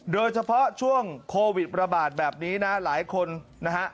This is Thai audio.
โดยเฉพาะช่วงโควิดระบาดแบบนี้นะหลายคนนะฮะ